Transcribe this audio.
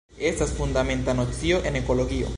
Estas fundamenta nocio en ekologio.